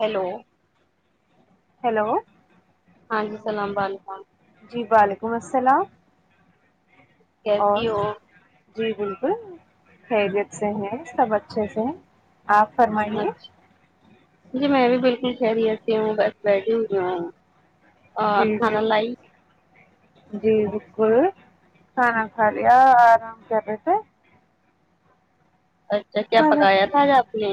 Hello hello ہاں جی سلام و علیکم جی وعلیکم اسلام کیسی اور ہو جی بالکل خیریت سے ہیں سب اچھے سے ہیں آپ فرمائیے اچھا جی میں بھی بالکل خیریت ہوں بس بیٹھی ہوئی ہوں جی اور جی کھانا لائی جی بالکل کھانا کھا لیا آرام کر رہے تھے اچھا کیا کھانا پکایا تھا آج آپ نے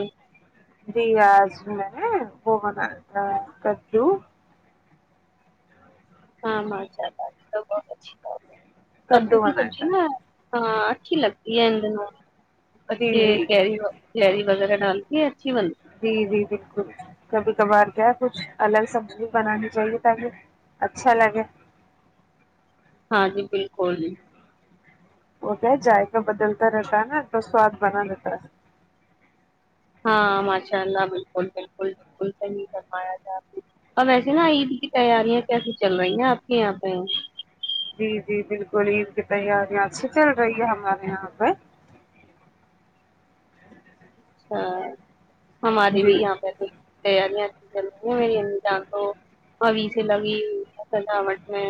جی آج میں نے وہ بنایا تھا کددو ہاں ماں جا تا تو بہت اچھی بات کدو کی بنایا سبزی تھا نا ہاں اچھی لگتی ہے ان دنوں جی بچے جی کیری ہو کیری وغیرہ ڈال کے اچھی بنتی ہے۔ جی جی بالکل کبھی کبھار کیا ہے کچھ الگ سبزی بنانی چاہیے تاکہ اچھا لگے ہاں جی بالکل وہ کیا ہے جائقہ بدلتا رہتا ہے نا تو سواد بنا رہتا ہے ہاں ماشاء اللہ بالکل بالکل بالکل صحیح فر مایا تھا آپ نے اور ویسے نا عید کی تیاریاں کیسی چل رہی ہیں آپ کے یہاں پہ جی جی بالکل عید کی تیاریاں اچھی چل رہی ہے ہمارے یہاں پہ اچھا ہمارے جی بھی یہاں پر بھی تیاریاں اچھی چل رہی ہیں میری امی جان تو ابھی سے لگی ہوی ہے سجاوٹ میں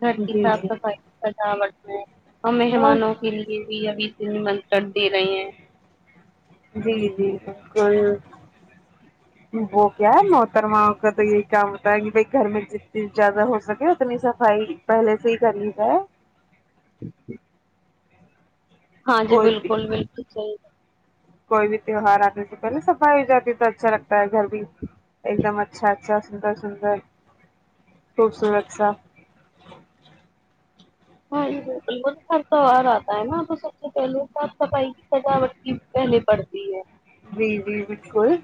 گھر کی جی صاف جی صفائی سجاوٹ میں اور بس مہمانوں کے لیے بھی ابھی نمنترن دے رہے ہیں جی جی بالکل وہ کیا ہے محترما آپ کا تو یہی کام ہوتا ہے کہ بھائی گھر میں جتنی ذیادہ ہو سکے اتنی صفائی پہلے سے ہی کرلی ہے ہاں جی کوئی بھی بالکل بالکل صحیح کوئی بھی تہوار آنے سے پہلے صفائی ہو جاتی ہے تو اچھا لگتا ہے گھر بھی ایک دم اچھا اچھا سندر سندر خوبصورت سا ہاں جی بالکل تو ہر تہوار آتا ہے نا تو سب سے پہلے صاف صفائی کی سجاوٹ کی پہلے پڑتی ہے جی جی بالکل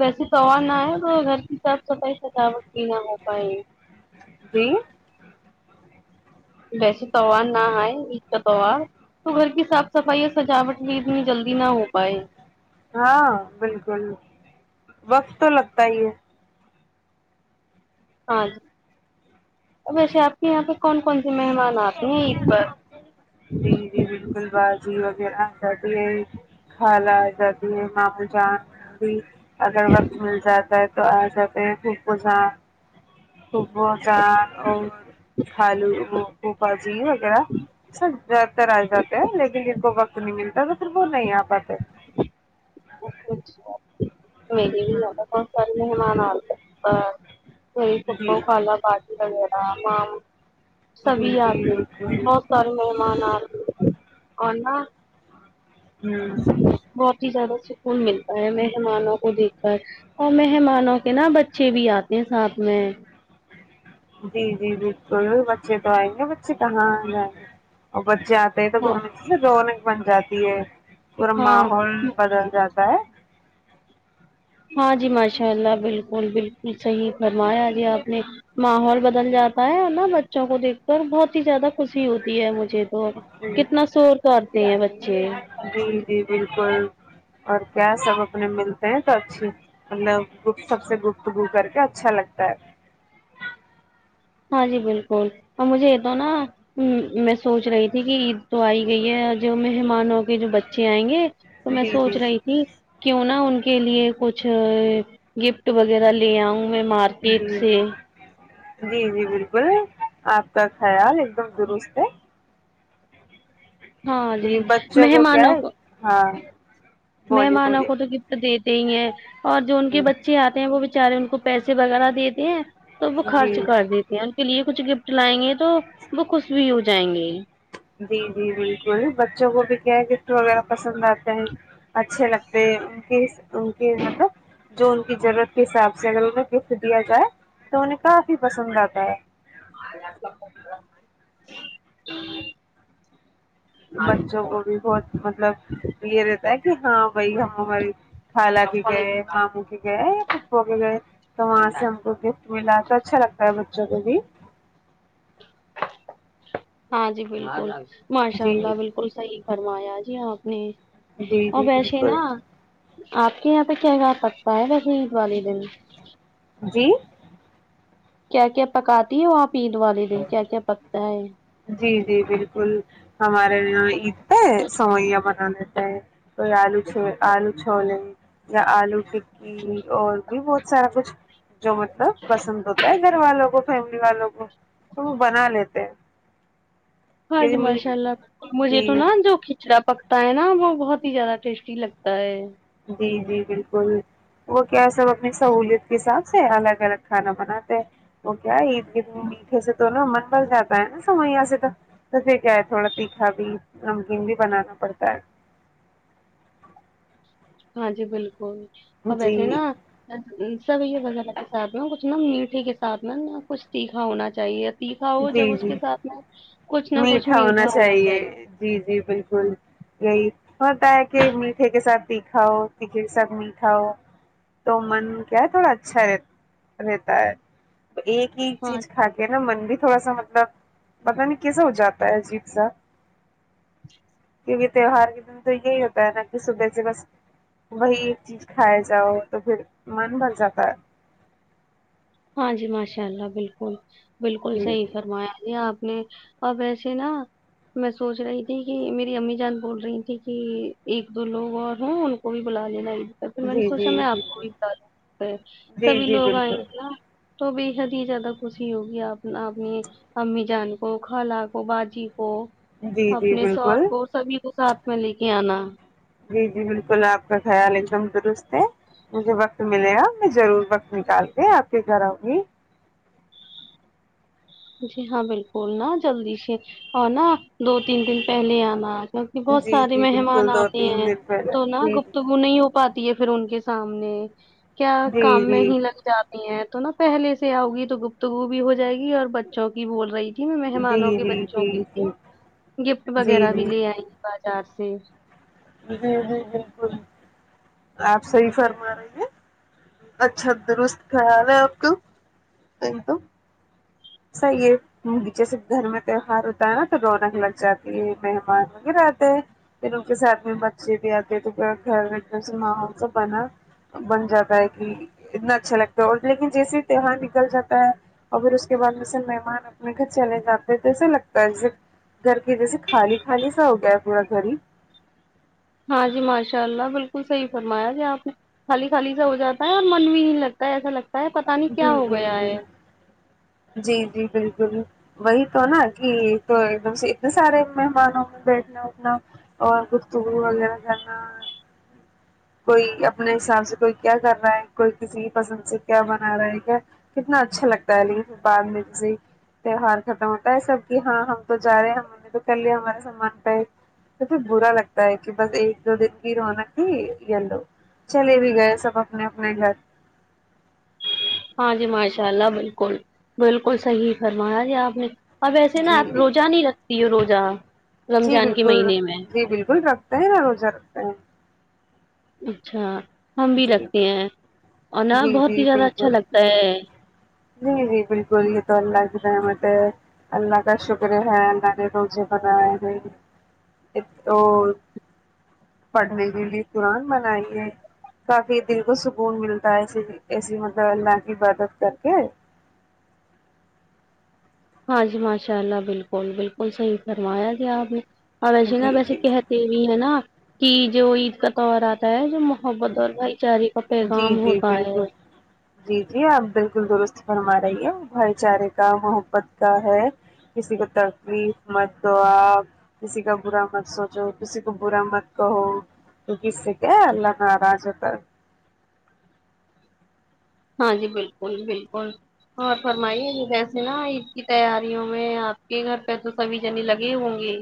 ویسے تو [unintelligible] ہے تو گھر کی صاف صفائی سجاوٹ بھی نہ ہو پائے جی ویسے توار نہ آئے عید کا توار تو گھر کی صاف صفائی اور سجاوٹ بھی اتنی جلدی نہ ہو پائے ہاں بالکل وقت تو لگتا ہی ہے ہاں جی ویسے آپ کے یہاں پہ کون کونسے مہمان آتے ہیں عید پر جی جی بالکل باجی وغیرہ سبھی خالہ آجاتی ہے مامو جان اگر وقت مل جاتا ہے تو آ جاتے ہیں پھوپھو جان پھپو جان اور خالو پھوپا جی وغیرہ سر زیادہ تر آ جاتے ہیں لیکن جن کو وقت نہیں ملتا تو پھر وہ نہیں آ پاتے ہوں، [unintelligible] سارے مہمان آ ہاں کوئی جی پھوپو جی خالا باجی وغیرہ مامو سبھی جی آتے بالکل بہت سارے مہمان آتے اور نا ہمم بہت ہی زیادہ سکون ملتا ہے مہمانوں کو دیکھ کر اور مہمانوں کے نا بچے بھی آتے ہیں ساتھ میں جی جی بالکل بچے تو آئیں گے بچے کہاں جائیں گے اور بچے آ تے ہے تو گھر ہاں میں رونق بن جاتی ہے پورا ہاں ماحول بدل جاتا ہے ہاں جی ماشاء اللہ بالکل بالکل صحیح فرمایا جی آپ نے ماحول بدل جاتا ہے اور نا بچوں کو دیکھ کر بہت ہی زیادہ خوشی ہوتی ہے مجھے تو جی کتنا شور کرتے ہیں بچے جی جی بالکل اور کیا سب اپنے ملتے ہیں تو اچھی مطلب گفت سب سے گفتگو کر کے اچھا لگتا ہے ہاں جی بالکل اور مجھے یہ تو نا ہمم میں سوچ رہی تھی کہ عید تو آئی گئی ہے جو مہمان ہو کے جو بچے آئیں گے تو میں جی جی سوچ رہی تھی کیوں نا ان کے لیے کچھ گفٹ وغیرہ لے آؤں میں مار جی جی جی جی بالکل آپ کا خیال ایک دم درست ہے ہاں جی کیونکہ بچوں کیا مہمانوں ہے کو ہاں بولیے مہمانوں بولیے کو تو گفٹ دیتے ہی ہیں اور جو ان کے ہوں، بچے آتے ہیں وہ بچارے ان کو پیسے وغیرہ دیتے ہیں تو وہ خرچ جی کر دیتے ہیں ان کے لیے کچھ گفٹ لائیں گے تو تو وہ خوش بھی ہو جائیں گے جی جی بالکل بچوں کو بھی کیا گفٹ وغیرہ پسند آتے ہیں اچھے لگتے دے گس انکے مطلب جو ان کی ضرورت کے حساب سے اگر انہیں گفٹ دیا جائے تو انہیں کافی پسند آتا ہے [unintelligible] بچوں کو بھی بہت مطلب یہ رہتا ہے کہ ہاں بھائی ہم ہماری خالا کے گئے ماموں کے گئے یا پھوپوں کے گئے تو وہاں سے ہم کو گفٹ ملا تو اچھا لگتا ہے بچوں کو بھی ہاں جی بالکل ماشاء جی اللہ بالکل صحی فرمایا جی آپ نے جی اور جی ویسے بالکل نا آپ کے یہاں پہ کیا پکتا ہے ویسے عید والی دن جی کیا کیا پکاتی ہو آپ عید والے دن کیا کیا پکتا ہے جی جی بالکل ہمارے یہاں عید پہ سوئیا بنا لیتے ہے کوئی آلو چھ آلو چھوولیں یا آلو ٹکی اور بھی بہت سارا کچھ جو مطلب پسند ہوتا ہے گھر والوں کو فیملی والوں کو تو وہ بنا لیتے ہیں ہاں جی کیونکہ میٹ ماشاء اللہ مجھے تو جی نا جوکھ چرا پکتا ہے نا وہ بہت ہی زیادہ ٹیسٹی لگتا ہے جی جی بالکل وہ کیا سب اپنی سہوولت کے حساب سے الگ الگ کھانا بناتے ہیں وہ کیا ہے عید گد میٹھے سے تو نا من بن جاتا ہے نا سمویا سے تو توسے کیا ہے تھوڑا تیکھا بھی نمکین بھی بنانا پڑتا ہے ہاں جی بالکل اور ویسے جی نا سوییا وغیرہ کے ساتھ میں کچھ نا میٹھے کے ساتھ میں نہا کچھ تیکھا ہونا چاہیے تیکھا ہو جب جی اس جی کے ساتھ میں کچھ نہ کچھ میٹھا ہونا چاہیے جی جی بالکل یہی ہوتا ہے کہ میٹھے کے ساتھ تیکھا ہو تیکھے کے ساتھ میٹھا ہو تو من کیا ہے تھوڑا اچھا رہ رہتا ہے ایک ایک ہاں چیز کھا کے نا من بھی تھوڑا سا مطلب پتا نہیں کیسا ہو جاتا ہے عجیب سا کیونکہ تیوہار کے دن تو یہی ہوتا ہے نا کہ صبح سے بس وہی ایک چیز کھائے جاؤ تو پھر من بھر جاتا ہے ہاں جی ماشاء اللہ بالکل بالکل جی صحیح فرمایا جی آپ نے اب ایسے نہ میں سوچ رہی تھی کہ میری امی جان بول رہی تھی کہ ایک دو لوگ اور ہوں ان کو بھی بلا لینا ہی دیتا پھر میں نے جی سوچا جی میں جی آپ کو بھی بلنلونگی بالکل پھر جی سبھی جی لوگ بالکل آئینگے نہ تو بے حد ہی زیادہ خوشی ہوگی آپ آپنی امی جان کو کھلا کو باجی کو جی جی اپنے شوہر بالکل کو سبھی کو ساتھ میں لے کے آنا جی جی بالکل آپ کا خیال ایک دم درست ہے مجھے وقت ملے گا میں ضرور وقت نکال کے آپ کے گھر آؤں گی جی ہاں بالکل نا جلدی سے اور نا دو تین دن پہلے آنا آج بہت جی سارے جی مہمان بالکل دو آتے تین ہیں دن پہلے تو نہ جی گفتگو وہ نہیں ہو پاتی ہے پھر ان کے سامنے کیا جی کام میں جی ہی لگ جاتا تے ہیں تو نا پہلے سے آؤگی تو گفتگو بھی ہو جائے گی اور بچوں کی بول رہی تھی نہ میں جی مہمانوں کے جی جی بچوں کے جی لیے گفٹ جی وغیرہ بھی جی لے آئی بازار سے [unintelligible] بالکل آپ صحیح فرما رہی ہیں اچھا درست خیال ہے آپ کا ایک دم صحیح ہے جیسے گھر میں تیوہار ہوتا ہے نا تو رونق لگ جاتی ہے مہمان وغیرہ آتے ہیں پھر ان کے ساتھ میں بچے بھی آتے تو پھر گھر میں ماحول سا بنا بن جاتا ہے کہ اتنا اچھا لگتا ہے اور لیکن جیسے تہوار نکل جاتا ہے اور پھر اس اس کے بعد میں سب مہمان اپنے گھر چلے جاتے ہیں تو ایسا لگتا جیسے گھر کے جیسے خالی خالی سا ہو گیا ہے پورا گھر ہی ہاں جی ماشاء اللہ بالکل صحیح فرمایا جی آپ نے خالی خالی سا ہو جاتا ہے اور من بھی نہیں لگتا ہے ایسا لگتا ہے پتا نہیں جی کیا ہو گیا ہے جی جی جی جی بالکل وہی تو نا کہ تو ایک دم سے اتنے سارے مہمانوں میں بیٹھنا اٹھنا اور گفتگو وغیرہ کرنا کوئی اپنے حساب سے کوئی کیا کر رہا ہے کوئی کسی کی پسند سے کیا بنا رہا ہے کیا کتنا اچھا لگتا ہے نئی دال مرچی تیوہار ختم ہوتا ہے سب کی ہاں ہم تو جا رہے ہیں ہم نے تو کر لیا ہمارا سامان پیک مجھے برا لگتا ہے کہ بس ایک دو دن کی رونق تھی یلو چلے بھی گئے سب اپنے اپنے گھر ہاں جی ماشاء اللہ بالکل بالکل صحیح فرمایا جی آپ نے اب ویسے نا جی آپ روزہ نہیں رکھتی ہے روزہ جی رمضان کے بالکل مہینے میں جی بالکل رکھتے ہے نہ روزہ رکھتے ہے اچھا ہم بھی جی رکھتے ہیں اور نہ جی بہت ہی جی زیادہ اچھا بالکل لگتا ہے جی جی بالکل یہ تو اللہ کی رحمت ہے اللہ کا شکر ہے اللہ نے روزے بنائے ہیں ایک تو پڑھنے کے لیے قرآن بنائی ہے کافی دل کو سکون ملتا ہے ایسی ایسی مطلب اللہ کی عبادت کر کے ہاں جی ماشاء اللہ بالکل بالکل صحیح فرمایا جی آپ نے اور ویسے نہ جی ویسے جی کہہ یہ ہی ہے نا کہ جو عید کا تہوار آتا ہے جو محبت اور بھائی چارے کا جی پیغام جی ہوتا ہے بالکل جی جی آپ بالکل درست فرما رہی ہیں بھائی چارے کا محبت کا ہے کسی کو تکلیف مت دو آپ کسی کا برا مت سوچو کسی کو برا مت کہو کیونکہ اس سے کیا ہے اللہ ناراض ہوتا ہے ہاں جی بالکل بالکل اور فرمائیے ویسے نا عید کی تیاریوں میں آپ کے گھر پہ تو سبھی جنے لگے ہوں گے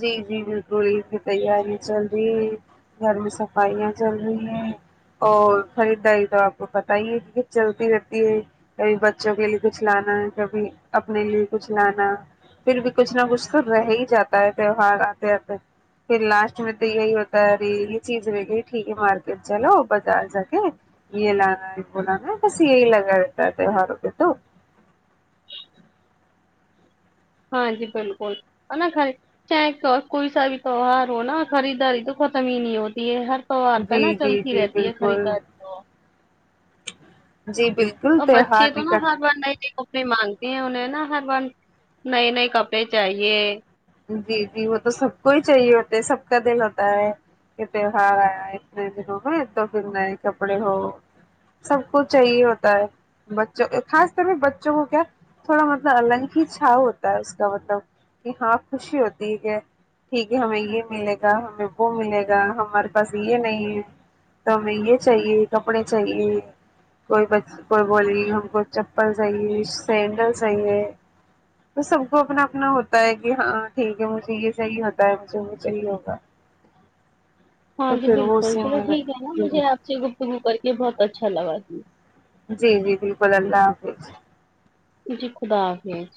جی جی بالکل عید کی تیاری چل رہی گھر میں صفائیاں چل رہی ہیں اور خریداری تو آپ کو پتا ہی ہے کہ چلتی رہتی ہے کبھی بچوں کے لیے کچھ لانا کبھی اپنے لیے کچھ لانا پھر بھی کچھ نہ کچھ تو رہ ہی جاتا ہے تہوہار آتے آتے پھر لاسٹ میں تو یہی ہوتا ہے اری یہ چیز و گی ٹھیک ہے مارکیٹ چلو بازار جا کے یہ لانا ہے وہ لانا ہے بس یہی لگا رہتا ہے تیوہاروں پے تو ہاں جی بالکل ہے نا گھر چیک کوئی سا بھی تیوار ہو نا خریداری تو ختم ہی نہیں ہوتی ہے ہر سار پہ نا جی جی چلتی جی رہتی ہے بالکل خریداری تو جی بالکل اور بچے تہوار تو نا نکل ہر بار نئے ہی اپنی مانتی ہیں انہیں نا ہر بار نئے نئے کپڑے چاہیے جی جی وہ تو سب کو ہی چاہیے ہوتا ہے سب کا دل ہوتا ہے تہوار آیا اتنے دنوں میں تو پھر نئے کپڑے ہو سب کو چاہیے ہوتا ہے بچوں خاص طور پے بچوں کو کیا تھوڑا مطلب الگ ہی چھاؤ ہوتا ہے اس کا مطلب کہ ہاں خوشی ہوتی ہے کہ ٹھیک ہے ہمیں یہ ملے گا ہمیں وہ ملے گا ہمارے پاس یہ نہیں ہے تو ہمیں یہ چاہیے کپڑے چاہیے کوئی بچھ کوئی بولے گی ہم کو چپل چاہیے سینڈل چاہیے ہے تو سب کو اپنا اپنا ہوتا ہے کہ ہاں ٹھیک ہے مجھے یہ چاہیے ہوتا ہے مجھے وہ چاہیے ہوگا ہاں تو جی پھر وہ بالکل اسی چلو میں ٹھیک ہے لگ نا مجھے آپ سے گفتگو کر کے بہت اچھا لگا جی جی بالکل اللہ حافظ جی خدا حافظ